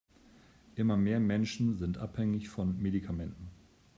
Immer mehr Menschen sind abhängig von Medikamenten.